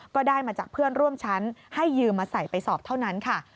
ก็ได้มาจากเพื่อนร่วมชั้นให้ยืมมาใส่ไปสอบเท่านั้นค่ะ